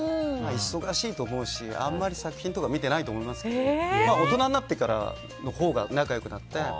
忙しいと思うしあんまり作品とか見てないと思いますけど大人になってからのほうが仲良くなって。